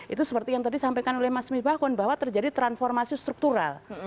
itu seperti yang tadi sampaikan oleh mas mie bakun bahwa terjadi transformasi struktural